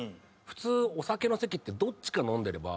普通お酒の席ってどっちか飲んでれば。